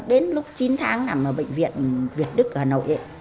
đến lúc chín tháng nằm ở bệnh viện việt đức hà nội